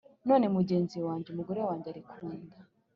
none mugenzi wanjye umugore wanjye ari ku nda,